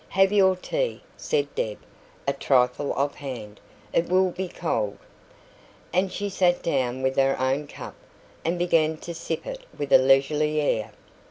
"Have your tea," said Deb, a trifle off hand; "it will be cold." And she sat down with her own cup, and began to sip it with a leisurely air.